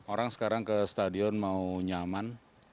orang sekarang ke stadion mau nyaman